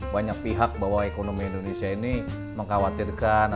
banyak pihak bahwa ekonomi indonesia ini mengkhawatirkan